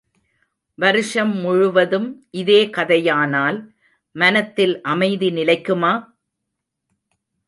வருஷம் முழுவதும் இதே கதையானால் மனத்தில் அமைதி நிலைக்குமா?